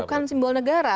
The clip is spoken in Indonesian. bukan simbol negara